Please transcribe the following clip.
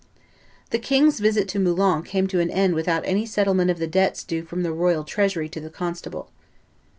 The king's visit to Moulins came to an end without any settlement of the debts due from the royal treasury to the constable.